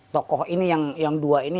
tokoh ini yang dua ini